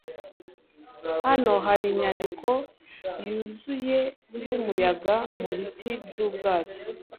Hano hari inyandiko yuzuye yumuyaga mubiti byubwato.